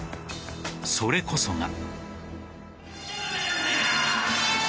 それこそが。